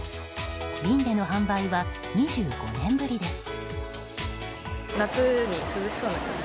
瓶での販売は２５年ぶりです。